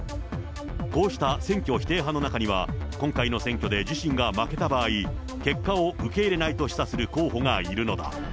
こうした選挙否定派の中には、今回の選挙で自身が負けた場合、結果を受け入れないと示唆する候補がいるのだ。